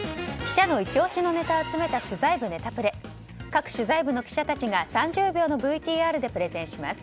各取材部の記者たちが３０秒のＶＴＲでプレゼンします。